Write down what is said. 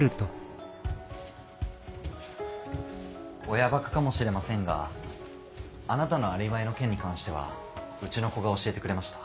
親バカかもしれませんがあなたのアリバイの件に関してはうちの子が教えてくれました。